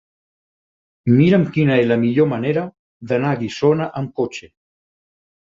Mira'm quina és la millor manera d'anar a Guissona amb cotxe.